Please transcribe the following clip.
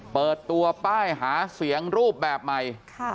เปิดตัวป้ายหาเสียงรูปแบบใหม่